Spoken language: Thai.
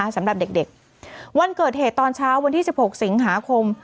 สำหรับเด็กวันเกิดเหตุตอนเช้าวันที่๑๖สิงหาคม